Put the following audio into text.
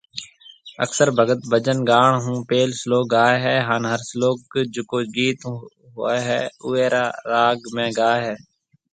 اڪثر ڀگت ڀجن گاوڻ هون پيل سلوڪ گاوي هي هان هر سلوڪ جڪو گيت هوئي هي اوئي راگ ۾ گاوي هي